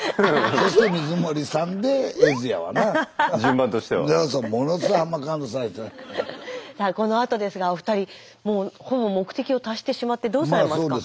さあこのあとですがお二人ほぼ目的を達してしまってどうされますか？